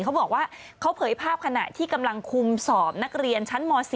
เขาบอกว่าเขาเผยภาพขณะที่กำลังคุมสอบนักเรียนชั้นม๔